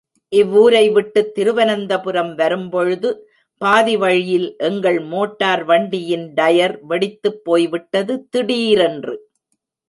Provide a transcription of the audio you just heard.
இவ்வூரைவிட்டுத் திருவனந்தபுரம் வரும்பொழுது, பாதி வழியில் எங்கள் மோட்டார் வண்டியின் டயர் வெடித்துப் போய்விட்டது திடீரென்று!